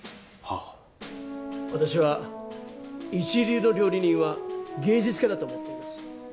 あ私は一流の料理人は芸術家だと思っています